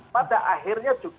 pada akhirnya juga